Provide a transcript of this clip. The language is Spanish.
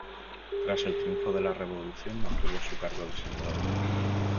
Tras el triunfo de la revolución, mantuvo su cargo de senador.